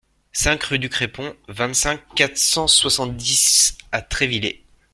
cinq rue du Crépon, vingt-cinq, quatre cent soixante-dix à Trévillers